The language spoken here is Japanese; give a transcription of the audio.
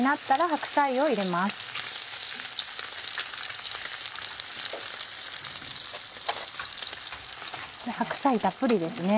白菜たっぷりですね。